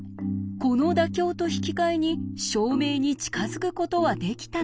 この妥協と引き換えに証明に近づくことはできたのか？